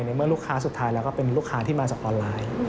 เมื่อลูกค้าสุดท้ายแล้วก็เป็นลูกค้าที่มาจากออนไลน์